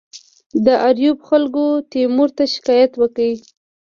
د آریوب خلکو تیمور ته شکایت وکړ.